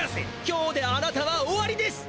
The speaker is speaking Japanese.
今日であなたは終わりです！